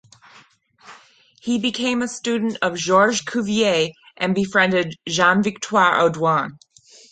He became a student of Georges Cuvier and befriended Jean Victoire Audouin.